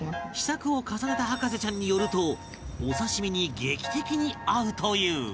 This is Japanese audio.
試作を重ねた博士ちゃんによるとお刺身に劇的に合うという